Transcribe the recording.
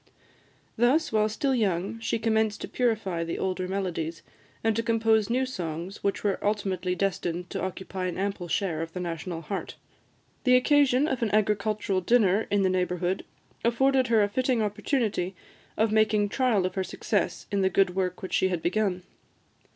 Thus, while still young, she commenced to purify the older melodies, and to compose new songs, which were ultimately destined to occupy an ample share of the national heart. The occasion of an agricultural dinner in the neighbourhood afforded her a fitting opportunity of making trial of her success in the good work which she had begun.